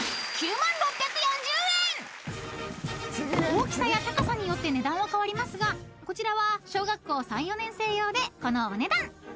［大きさや高さによって値段は変わりますがこちらは小学校３４年生用でこのお値段］